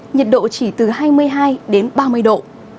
nhiệt độ chỉ từ hai mươi hai đến ba mươi độ